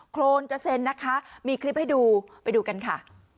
โครนกระเซ็นนะคะมีคลิปให้ดูไปดูกันค่ะ